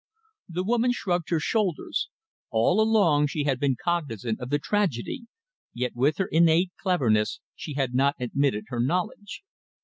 The woman shrugged her shoulders. All along she had been cognisant of the tragedy, yet with her innate cleverness she had not admitted her knowledge.